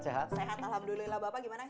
sehat alhamdulillah bapak gimana